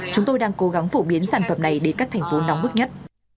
chúng tôi đang cố gắng phổ biến sản phẩm này đến các thành phố nóng bức nhất